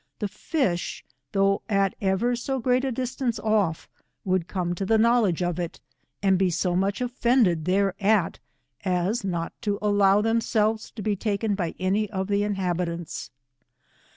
the fish, though at ever so great a distance off, would come to the knowledge of it, and be so much offended thereat, as not to allow themselves to be taken by any of the inhabitants.